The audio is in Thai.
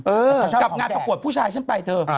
กับงานประกวดผู้ชายฉันไปเธอ